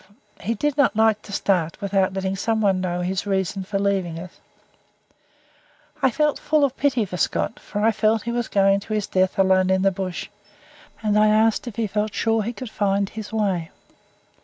He did not like to start without letting someone know his reason for leaving us. I felt full of pity for Scott, for I thought he was going to his death alone in the bush, and I asked him if he felt sure that he could find his way.